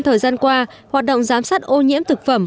thời gian qua hoạt động giám sát ô nhiễm thực phẩm